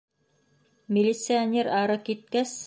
Милиционер ары киткәс: